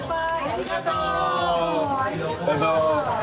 ありがとう。